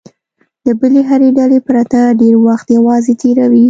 د بلې هرې ډلې پرتله ډېر وخت یوازې تېروي.